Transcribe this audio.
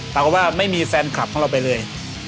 ปรากฏว่าไม่มีแฟนคลับของเราไปเลย